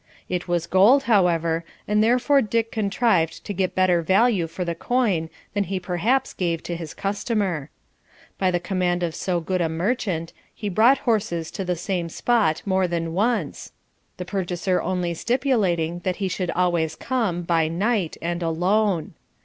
It was gold, however, and therefore Dick contrived to get better value for the coin than he perhaps gave to his customer. By the command of so good a merchant, he brought horses to the same spot more than once, the purchaser only stipulating that he should always come, by night, and alone.